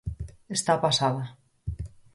Está pasada.